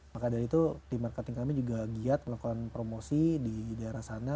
maka dari itu tim marketing kami juga giat melakukan promosi di daerah sana